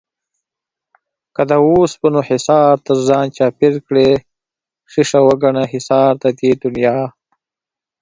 که د اوسپنو حِصار تر ځان چاپېر کړې ښيښه وگڼه حِصار د دې دنيا